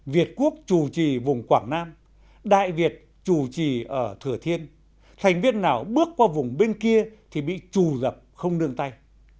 việt quốc chủ trì vùng quảng nam đại việt chủ trì ở thừa thiên thành viên nào bước qua vùng bên kia thì bị trù dập không nương tay